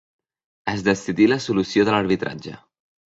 Es decidí la solució de l'arbitratge.